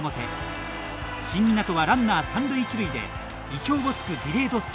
新湊はランナー三塁一塁で意表をつくディレードスチール。